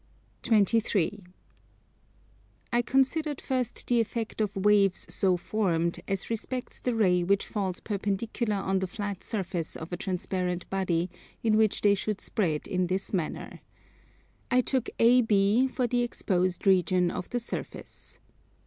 23. I considered first the effect of waves so formed, as respects the ray which falls perpendicularly on the flat surface of a transparent body in which they should spread in this manner. I took AB for the exposed region of the surface.